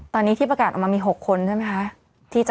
ตอนนี้ที่ประกาศออกมามี๖คนใช่ไหมคะ